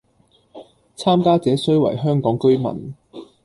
參加者須為香港居民